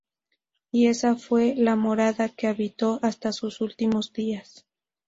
Y esa fue la morada que habitó hasta sus últimos días.